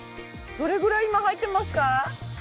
どれぐらい今入ってますか？